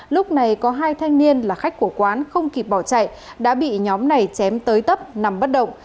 lúc này có hai thanh niên là khách của quán không kịp bỏ chạy đã bị nhóm này chém tới tấp nằm bất động